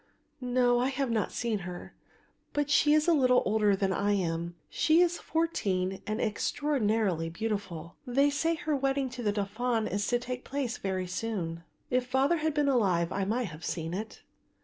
"No, I have not seen her, but she is a little older than I am. She is fourteen and is extraordinarily beautiful. They say her wedding to the Dauphin is to take place very soon. If father had been alive I might have seen it."